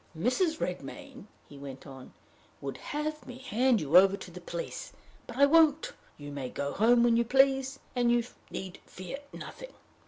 "Mrs. Redmain," he went on, "would have me hand you over to the police; but I won't. You may go home when you please, and you need fear nothing."